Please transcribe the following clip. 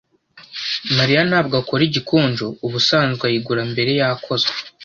Mariya ntabwo akora igikonjo. Ubusanzwe ayigura mbere yakozwe.